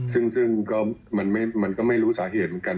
ซึ่งก็มันก็ไม่รู้สาเหตุเหมือนกัน